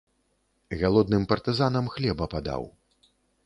Галодным партызанам хлеба падаў.